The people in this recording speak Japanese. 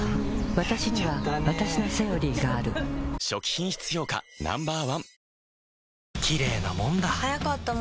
わたしにはわたしの「セオリー」がある初期品質評価Ｎｏ．１